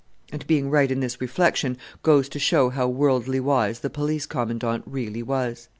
And being right in this reflection goes to show how worldly wise the Police Commandant really was.